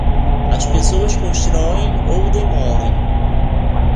As pessoas constroem ou demolem.